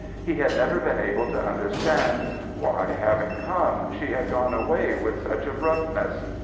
He had never been able to understand why, having come, she had gone away with such abruptness.